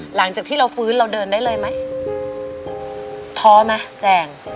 หลังจากที่เราฟื้นเราเดินได้เลยไหมท้อไหมแจง